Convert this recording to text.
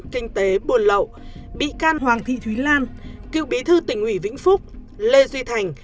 kinh tế buồn lậu bị can hoàng thị thúy lan cựu bí thư tỉnh ủy vĩnh phúc lê duy thành